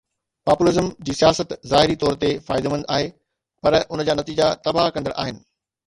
Populism جي سياست ظاهري طور تي فائديمند آهي پر ان جا نتيجا تباهه ڪندڙ آهن.